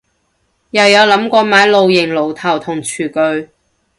又有諗過買露營爐頭同廚具